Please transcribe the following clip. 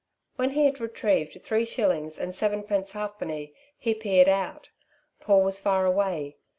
When he had retrieved three shillings and sevenpence halfpenny he peered out. Paul was far away.